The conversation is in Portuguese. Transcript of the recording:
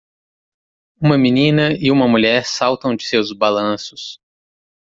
Uma menina e uma mulher saltam de seus balanços.